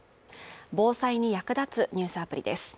防災に役立つニュースアプリです